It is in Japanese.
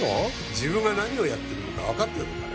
自分が何をやってるのか分かってるのかね